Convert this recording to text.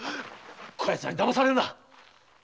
こやつらに騙されるな！